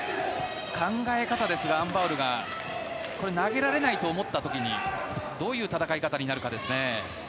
考え方ですが、アン・バウルが投げられないと思った時にどういう戦い方になるかですね。